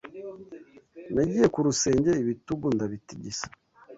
Nagiye ku rusenge ibitugu ndabitigisa